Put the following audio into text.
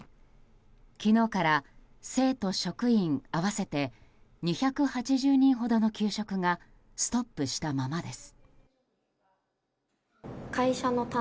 昨日から生徒・職員合わせて２８０人ほどの給食がストップしたままです。